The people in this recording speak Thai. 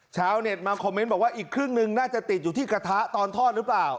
ชาวเน็ตมาคอมเมนต์บอกว่าอีกครึ่งนึงน่าจะติดอยู่ที่กระทะตอนทอดหรือเปล่า